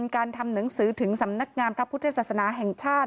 การทำหนังสือถึงสำนักงานพระพุทธศาสนาแห่งชาติ